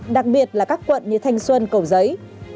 đặc biệt là các quận như thanh xuân cầu giấy